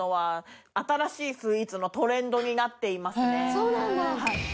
そうなんだ！